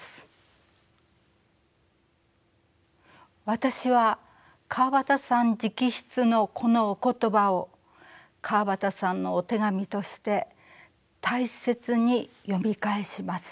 私は川端さん直筆のこのお言葉を川端さんのお手紙として大切に読み返します。